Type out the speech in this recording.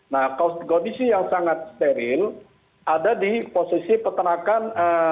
nah kondisi yang sangat steril ada di posisi peternakan